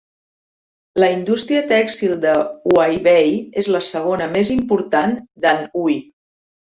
La indústria tèxtil de Huaibei és la segona més important d'Anhui.